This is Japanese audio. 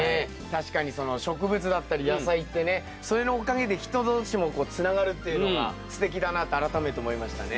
確かにその植物だったり野菜ってねそれのおかげで人同士もつながるっていうのがすてきだなって改めて思いましたね。